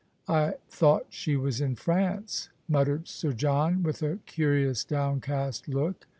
" I thouo ht she was in France," muttered Sir John, with a curious downcast look.